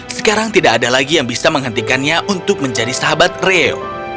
sekarang tidak ada lagi yang bisa menghentikannya untuk menjadi sahabat reo